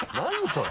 それ。